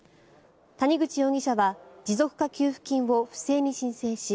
谷口容疑者は持続化給付金を不正に申請し